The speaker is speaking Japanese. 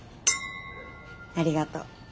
ありがと。